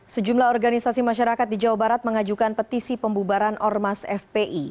sejumlah organisasi masyarakat di jawa barat mengajukan petisi pembubaran ormas fpi